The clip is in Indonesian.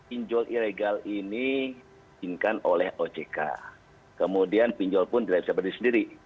injol ilegal ini diinginkan oleh ojk kemudian pinjol pun dari saya sendiri